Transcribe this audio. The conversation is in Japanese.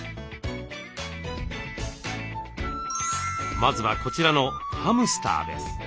まずはこちらのハムスターです。